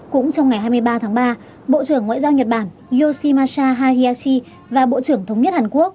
cũng trong ngày hai mươi ba tháng ba bộ trưởng ngoại giao nhật bản yoshimasha hajiyashi và bộ trưởng thống nhất hàn quốc